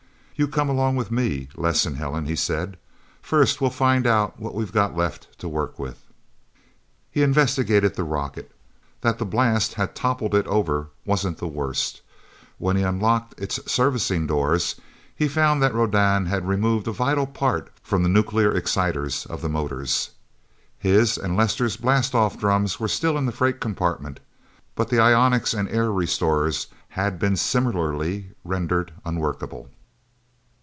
"You come along with me, Les and Helen," he said. "First we'll find out what we've got left to work with." He investigated the rocket. That the blast had toppled it over, wasn't the worst. When he unlocked its servicing doors, he found that Rodan had removed a vital part from the nuclear exciters of the motors. His and Lester's blastoff drums were still in the freight compartment, but the ionics and air restorers had been similarly rendered unworkable.